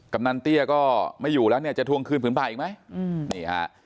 กำนันเตี้ยก็ไม่อยู่แล้วเนี่ยจะทวงคืนผืนไผ่อีกไหมอืมนี่ฮะ